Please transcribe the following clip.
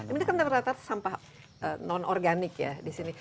tapi ini kan ternyata sampah non organik ya disini